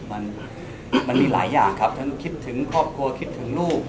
มันมันมีหลายอย่างครับทั้งคิดถึงครอบครัวคิดถึงลูก